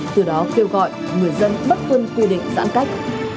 từ đó kêu gọi người dân bất tuân quy định giãn cách